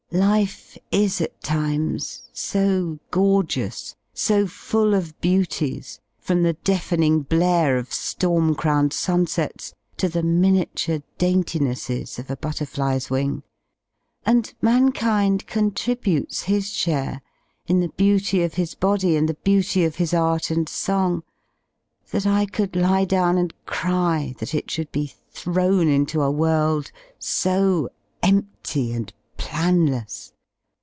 Life is at times so gorgeous, J so full of beauties, from the deafening blare of ^orm / crowned sunsets to the miniature daintinesses of a butter fly's wing — and mankind contributes his share, in the \ beauty of his body and the beauty of his art and song — that j I could lie down and cry that it should be thrown into a / world so empty and planless.